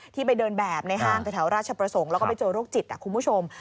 ไปเดินแบบในห้างแถวราชประสงค์แล้วก็ไปเจอโรคจิตคุณผู้ชม